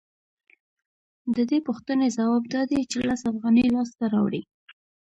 د دې پوښتنې ځواب دا دی چې لس افغانۍ لاسته راوړي